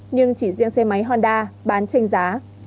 nhưng chỉ riêng xe máy honda bán trên giá